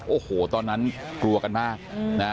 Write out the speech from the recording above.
โอ้โหตอนนั้นกลัวกันมากนะ